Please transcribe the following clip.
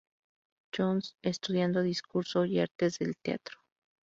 John's, estudiando discurso y artes del teatro.